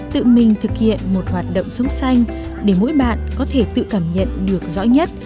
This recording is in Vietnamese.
tự mình thực hiện một hoạt động sống xanh để mỗi bạn có thể tự cảm nhận được rõ nhất